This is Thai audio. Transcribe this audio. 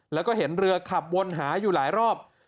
แล้วก็เห็นเรือขับวนหาอยู่หลายรอบ